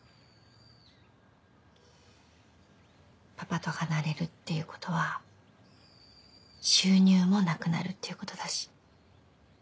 パパと離れるっていうことは収入もなくなるっていうことだし。